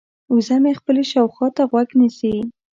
وزه مې خپلې شاوخوا ته غوږ نیسي.